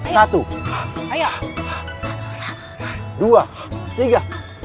satu dua tiga